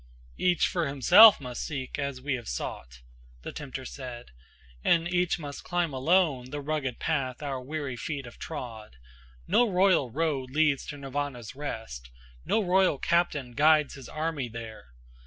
"Each for himself must seek, as we have sought," The tempter said, "and each must climb alone The rugged path our weary feet have trod. No royal road leads to Nirvana's rest; No royal captain guides his army there.